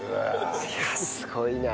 いやあすごいなあ。